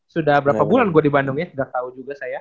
sudah berapa bulan gue di bandung ya sudah tahu juga saya